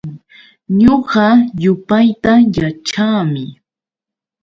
Ñuqa yupayta yaćhaami.